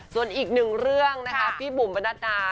ส่วนอีกหนึ่งเรื่องนะคะพี่บุ๋มประนัดดา